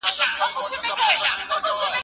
د صفوي دربار اخلاقي فساد ولس ډېر په تنګ کړی و.